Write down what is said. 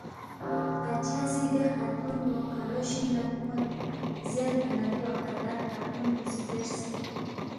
بادشاہ سی دے خاتُون پو کاڑُو شِنگ لہ فیون٘ید زیربا نہ دے وفادار خاتون پو سی زیرس